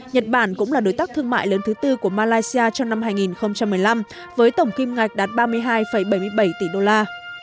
nhật bản cũng là đối tác thương mại lớn thứ tư của malaysia trong năm hai nghìn một mươi năm với tổng kim ngạch đạt ba mươi hai bảy mươi bảy tỷ đô la